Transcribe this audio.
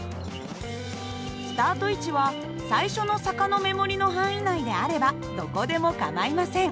スタート位置は最初の坂の目盛りの範囲内であればどこでも構いません。